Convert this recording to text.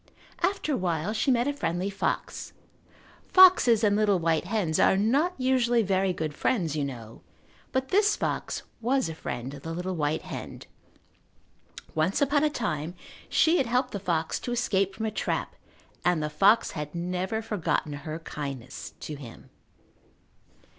After a while she met a friendly fox. Foxes and little white hens are not usually very good friends, you know, but this fox was a friend of the little white hen. Once upon a time she had helped the fox to escape from a trap and the fox had never forgotten her kindness to him.